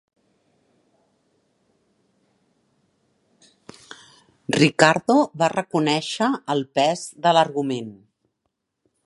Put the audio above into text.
Ricardo va reconèixer el pes de l'argument.